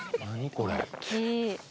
これ。